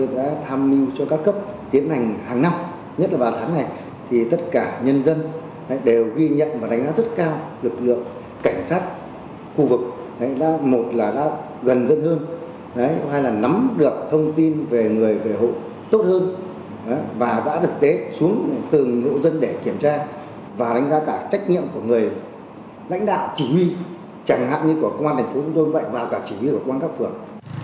và đánh giá cả trách nhiệm của người lãnh đạo chỉ huy chẳng hạn như của công an thành phố hạ long và cả chỉ huy của công an các phường